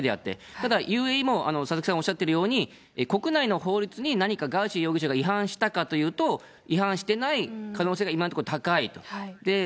ただＵＡＥも、佐々木さんおっしゃってるように、国内の法律に何かガーシー容疑者が違反したかというと、違反してない可能性が今のところ、高いと。